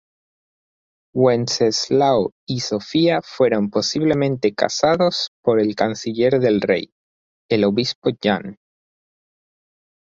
Wenceslao y Sofía fueron posiblemente casados por el canciller del rey, el obispo Jan.